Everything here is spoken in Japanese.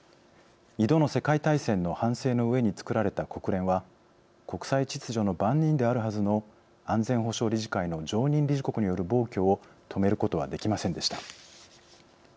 ２度の世界大戦の反省のうえにつくられた国連は国際秩序の番人であるはずの安全保障理事会の常任理事国による暴挙を止めることはできませんでした。